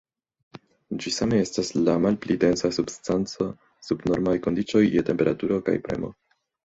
Ĝi same estas la malpli densa substanco sub normaj kondiĉoj je temperaturo kaj premo.